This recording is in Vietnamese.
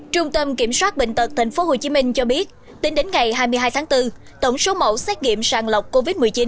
trung tâm kiểm soát bệnh tật tp hcm cho biết tính đến ngày hai mươi hai tháng bốn tổng số mẫu xét nghiệm sàng lọc covid một mươi chín